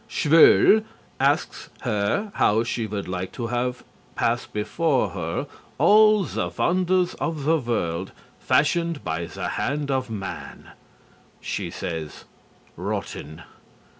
Schwül asks her how she would like to have pass before her all the wonders of the world fashioned by the hand of man. She says, rotten.